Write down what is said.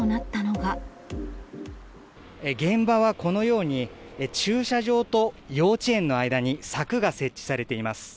現場はこのように、駐車場と幼稚園の間に柵が設置されています。